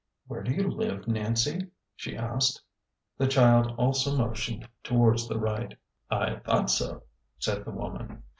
" Where do you live, Nancy ?" she asked. The child also motioned towards the right. " I thought so," said the woman.